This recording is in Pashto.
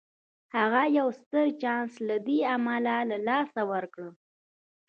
هغه يو ستر چانس له دې امله له لاسه ورکړ.